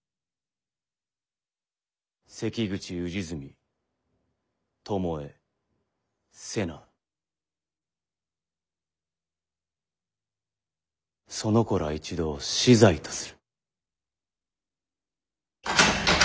関口氏純巴瀬名その子ら一同死罪とする。